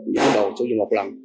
những cái đồ cho dùng một lần